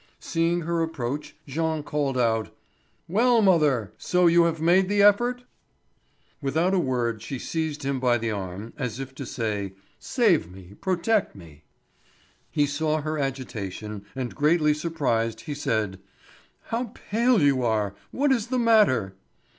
Seeing her approach, Jean called out: "Well, mother? So you have made the effort?" Without a word she seized him by the arm, as if to say: "Save me, protect me!" He saw her agitation, and greatly surprised he said: "How pale you are! What is the matter?"